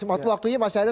waktu waktunya masih ada